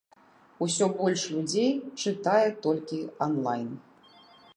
Усё больш людзей чытае толькі анлайн.